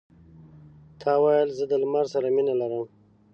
تا ویل زه د لمر سره مینه لرم.